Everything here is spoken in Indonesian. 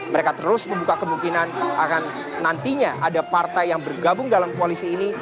mereka terus membuka kemungkinan akan nantinya ada partai yang bergabung dalam koalisi ini